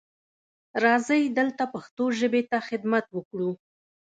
راځئ دلته پښتو ژبې ته خدمت وکړو.